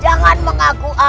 jangan mengaku aku ranggabwana